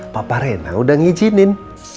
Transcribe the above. papa rena udah ngijinin